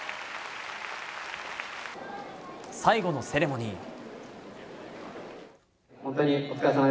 最後のセレモニー。